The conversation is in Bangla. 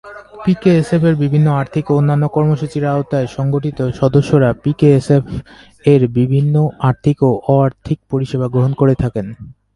পিকেএসএফ-এর বিভিন্ন আর্থিক ও অন্যান্য কর্মসূচির আওতায় সংগঠিত সদস্যরা পিকেএসএফ-এর বিভিন্ন আর্থিক ও অ-আর্থিক পরিষেবা গ্রহণ করে থাকেন।